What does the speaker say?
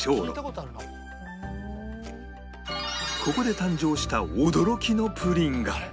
ここで誕生した驚きのプリンが